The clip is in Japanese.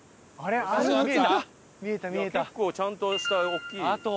結構ちゃんとした大きい。